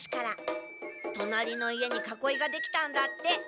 「となりの家にかこいができたんだって」。